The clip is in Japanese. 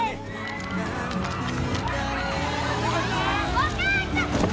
お母ちゃん！